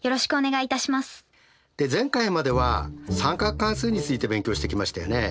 前回までは三角関数について勉強してきましたよね。